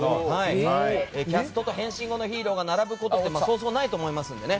キャストと変身後のヒーローが並ぶことなんてそうそうないと思いますのでね。